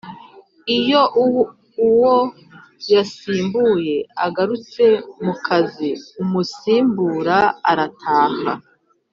iyo uwo yasimbuye agarutse mu kaziumusimbura arataha